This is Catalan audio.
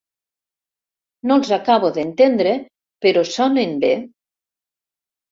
No els acabo d'entendre però sonen bé.